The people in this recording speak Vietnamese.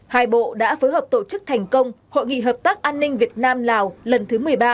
hai bộ đã phối hợp tổ chức thành công hội nghị hợp tác an ninh việt nam lào lần thứ một mươi ba